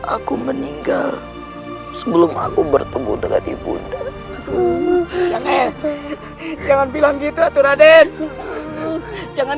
aku meninggal sebelum aku bertemu dengan ibu ndak jangan bilang gitu tuh raden jangan